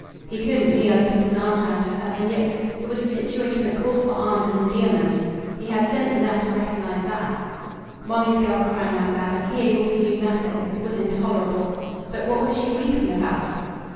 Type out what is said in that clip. He couldn't kneel and put his arms round her; and yet it was a situation that called for arms and endearments. He had sense enough to recognize that. Molly's girl crying like that, and he able to do nothing! It was intolerable. But what was she weeping about?